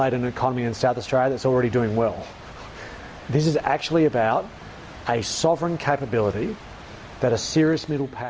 dengan kekuasaan yang serius